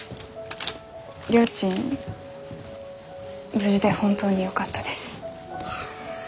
無事で本当によかったです。